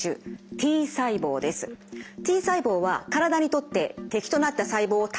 Ｔ細胞は体にとって敵となった細胞を倒す働きがあります。